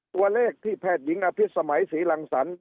ตัวเลขที่แพทย์หญิงอภิษมัยศรีรังสรรค